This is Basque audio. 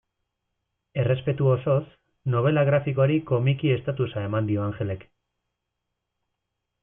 Errespetu osoz, nobela grafikoari komiki estatusa eman dio Angelek.